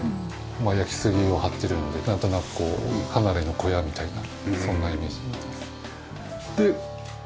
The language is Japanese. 焼杉を張ってるのでなんとなく離れの小屋みたいなそんなイメージになってます。